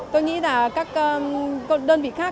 tôi nghĩ là các đơn vị khác